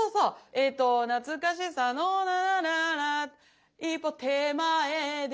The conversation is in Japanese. えっと「懐かしさの一歩手前で」